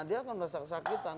dia akan merasa kesakitan